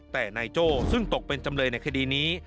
แต่นายโจ้ซึ่งตกเป็นจำเลยในคดีนี้